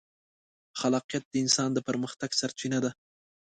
خلاقیت د انسان د پرمختګ سرچینه ده.